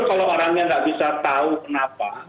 kalau orangnya nggak bisa tahu kenapa